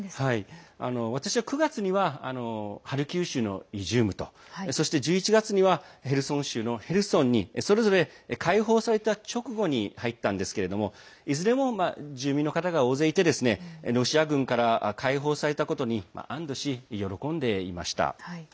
私は９月にはハルキウのイジュームと１１月にはヘルソン州のヘルソンにそれぞれ解放された直後に入ったんですけどいずれも住民の方が多くいてロシア軍から解放されたことに安どし、喜んでいました。